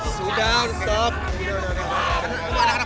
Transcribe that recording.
saya takut aja tau nanti di jalan